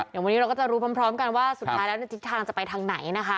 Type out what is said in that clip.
เดี๋ยววันนี้เราก็จะรู้พร้อมกันว่าสุดท้ายแล้วในทิศทางจะไปทางไหนนะคะ